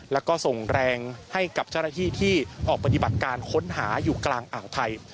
แล้วก็ส่งแรงให้กับเจ้าหน้าที่ที่ออกปฏิบัติการค้นหาอยู่กลางอ่าวไทย